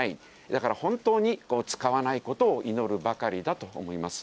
だから本当に使わないことを祈るばかりだと思います。